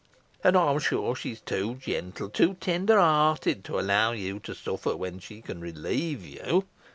And I am sure she is too gentle, too tender hearted, to allow you to suffer when she can relieve you.